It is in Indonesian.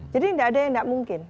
jadi tidak ada yang tidak mungkin